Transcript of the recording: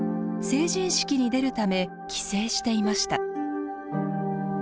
成人式に出るため帰省していました。